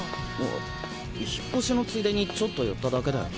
あ引っ越しのついでにちょっと寄っただけだよ。